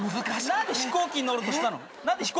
何で飛行機に乗ろうと。